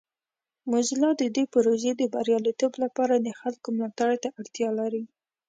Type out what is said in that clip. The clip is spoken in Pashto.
موزیلا د دې پروژې د بریالیتوب لپاره د خلکو ملاتړ ته اړتیا لري.